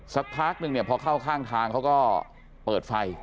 สักพักนึงเนี่ยพอเข้าข้างทางเขาก็เปิดไฟ